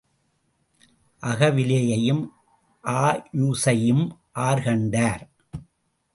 அகவிலையையும் ஆயுசையும் ஆர் கண்டார்?